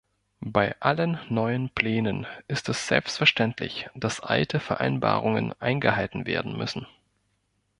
Bei allen neuen Plänen ist es selbstverständlich, dass alte Vereinbarungen eingehalten werden müssen.